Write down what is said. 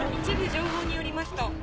一部情報によりますと。